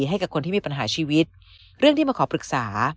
ให้กับคนที่มีปัญหาชีวิตเรื่องที่มาขอปรึกษา